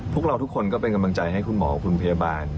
พวกเราทุกคนก็เป็นกำลังใจให้คุณหมอคุณพยาบาล